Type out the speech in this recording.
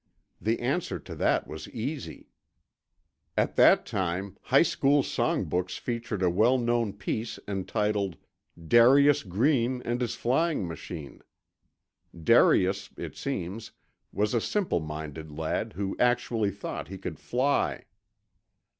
The answer to that was easy; at that time, high school songbooks featured a well known piece entitled "Darius Green and His Flying Machine." Darius, it seems, was a simple minded lad who actually thought he could fly.